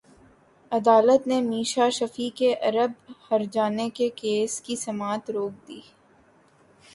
عدالت نے میشا شفیع کے ارب ہرجانے کے کیس کی سماعت روک دی